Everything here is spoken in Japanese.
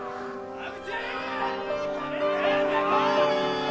田口！